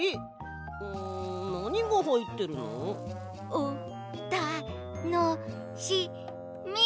おたのしみ。